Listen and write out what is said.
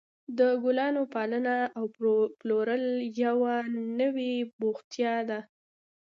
د ګلانو پالنه او پلورل یوه نوې بوختیا ده.